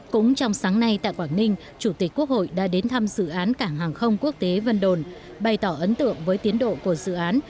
cũng trong sáng nay tại quảng ninh chủ tịch quốc hội đã đến thăm dự án cảng hàng không quốc tế vân đồn bày tỏ ấn tượng với tiến độ của dự án